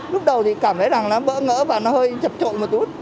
lúc đầu thì cảm thấy bỡ ngỡ và hơi chập trội một chút